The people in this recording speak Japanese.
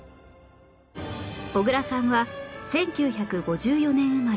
小倉さんは１９５４年生まれ